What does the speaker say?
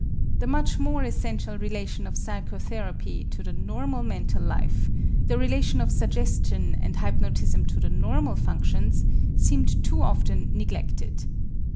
The much more essential relation of psychotherapy to the normal mental life, the relation of suggestion and hypnotism to the normal functions seemed too often neglected.